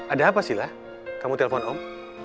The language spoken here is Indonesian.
ada apa sila kamu telpon om